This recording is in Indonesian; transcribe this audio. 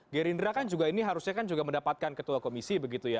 gerindra kan juga ini harusnya kan juga mendapatkan ketua komisi begitu ya